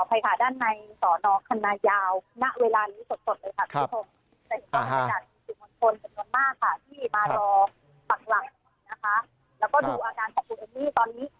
ครับอ่าฮะค่ะที่มารอฝั่งหลังนะคะแล้วก็ดูอาการของคุณเอ็มมี่ตอนนี้